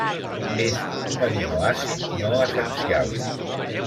És un aminoàcid no essencial.